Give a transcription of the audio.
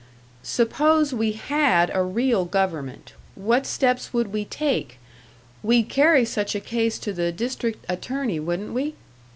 Suppose we had a real government what steps would we take? We'd carry such a case to the District Attorney, wouldn't we?"